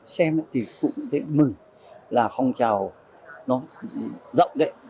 xem thì cũng thấy mừng là phong trào nó rộng đấy